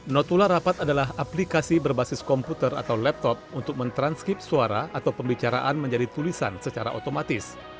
notula rapat adalah aplikasi berbasis komputer atau laptop untuk mentranskip suara atau pembicaraan menjadi tulisan secara otomatis